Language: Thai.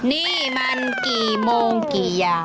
นี่มันกี่โมงกี่อย่าง